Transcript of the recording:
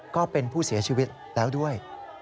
ก็เป็นผู้เสียชีวิตแล้วด้วย